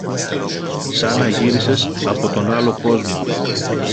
Σαν να γύρισες από τον άλλο κόσμο.